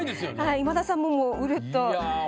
今田さんもうるっと。